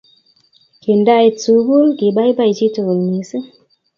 Kindait sukul, kibaibai chitukul mising